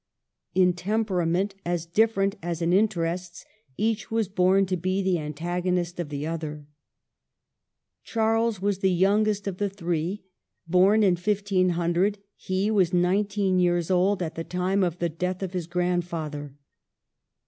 In temperament as different as in interests, each was born to be the antagonist of the other. Charles was the youngest of the three. Born in 1500, he was nineteen years old at the time of the death of his grandfather.